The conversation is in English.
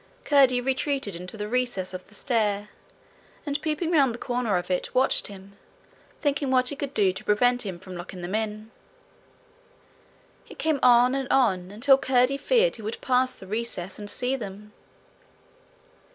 Curdie retreated into the recess of the stair, and peeping round the corner of it, watched him, thinking what he could do to prevent him from locking them in. He came on and on, until curdie feared he would pass the recess and see them.